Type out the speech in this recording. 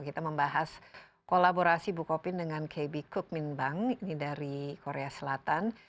kita membahas kolaborasi bukopin dengan kb kukmin bank ini dari korea selatan